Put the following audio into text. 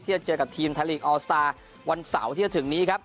ที่เจอกับทีมท้านลีกออลสตาร์วันเสาร์ที่จะถึงนี้